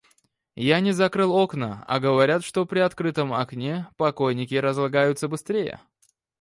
Я не закрыл окна, а говорят, что при открытом окне покойники разлагаются быстрее.